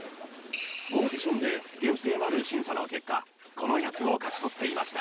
［オーディションで厳正なる審査の結果この役を勝ち取っていました］